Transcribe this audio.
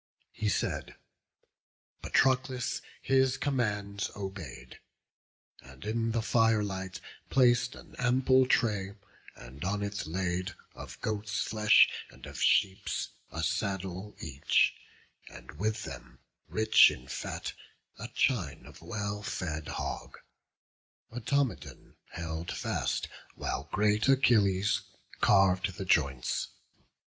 He said; Patroclus his commands obey'd; And in the fire light plac'd an ample tray, And on it laid of goat's flesh and of sheep's A saddle each; and with them, rich in fat, A chine of well fed hog; Automedon Held fast, while great Achilles carv'd the joints.